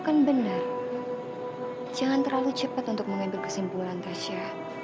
karena disitu aku bisa mengungkapin semuanya